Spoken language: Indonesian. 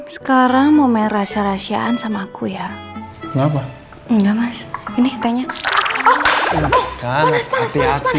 sekarang mau merasa rahasiaan sama aku ya enggak mas ini